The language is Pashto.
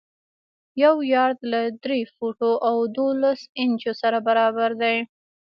یو یارډ له درې فوټو او دولس انچو سره برابر دی.